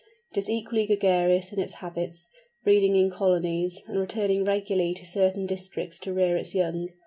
It is equally gregarious in its habits, breeding in colonies, and returning regularly to certain districts to rear its young.